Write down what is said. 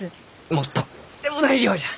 もうとんでもない量じゃ！